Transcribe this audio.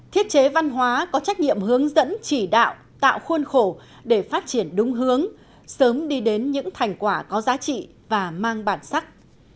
thiết chế văn hóa có trách nhiệm hướng dẫn chỉ đạo tạo khuôn khổ để phát triển đúng hướng sớm đi đến những thành quả có giá trị và mang bản sắc